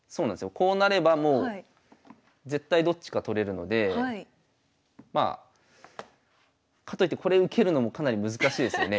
こうなればもう絶対どっちか取れるのでまあかといってこれ受けるのもかなり難しいですよね。